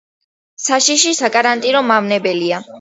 საშიში საკარანტინო მავნებელია.